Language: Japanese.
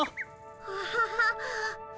アハハッ。